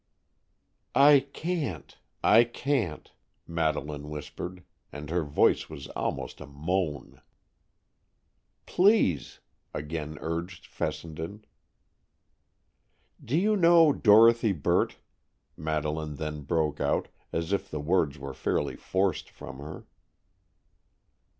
"I can't—I can't," Madeleine whispered, and her voice was almost a moan. "Please," again urged Fessenden. "Do you know Dorothy Burt?" Madeleine then broke out, as if the words were fairly forced from her.